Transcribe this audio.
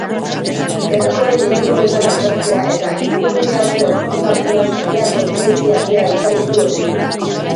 Errekorren liburuetan agertzea eta ingurunearen hauskortasunaz jendea kontzientziatzea izan ditu helburu.